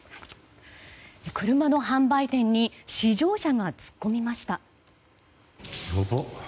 車の販売店に試乗車が突っ込みました。